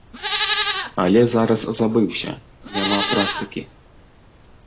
Але зараз забыўся, няма практыкі.